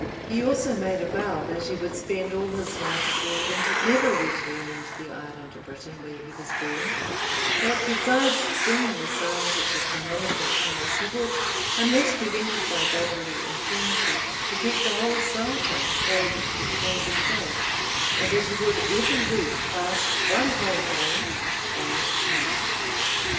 He also made a vow that he would spend all his life abroad and never return into the island of Britain, where he was born; that besides singing the psalms at the canonical hours, he would, unless prevented by bodily infirmity, repeat the whole Psalter daily to the praise of God; and that he would every week fast one whole day and night.